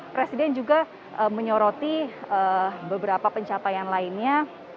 presiden juga menyoroti beberapa pencapaian lainnya